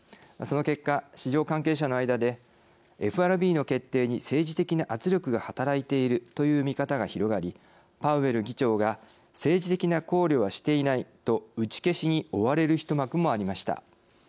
その結果、市場関係者の間でＦＲＢの決定に政治的な圧力が働いているという見方が広がりパウエル議長が政治的な考慮はしていないと打ち消しに追われる一幕もありました。